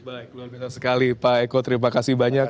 baik luar biasa sekali pak eko terima kasih banyak